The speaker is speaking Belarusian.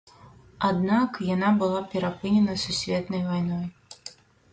Аднак яна была перапынена сусветнай вайной.